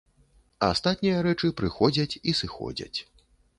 Астатнія рэчы прыходзяць і сыходзяць.